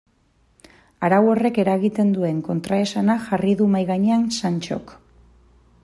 Arau horrek eragiten duen kontraesana jarri du mahai gainean Santxok.